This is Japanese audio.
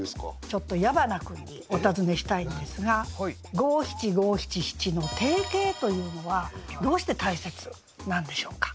ちょっと矢花君にお尋ねしたいんですが五七五七七の定型というのはどうして大切なんでしょうか？